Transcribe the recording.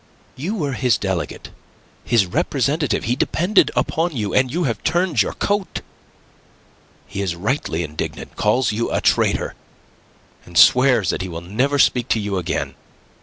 You were his delegate, his representative. He depended upon you, and you have turned your coat. He is rightly indignant, calls you a traitor, and swears that he will never speak to you again.